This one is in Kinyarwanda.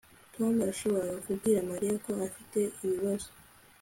Tom yashoboraga kubwira Mariya ko afite ibibazo